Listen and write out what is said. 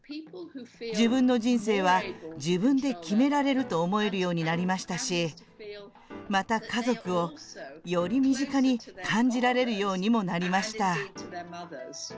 自分の人生は自分で決められると思えるようになりましたしまた、家族をより身近に感じられるようにもなりました。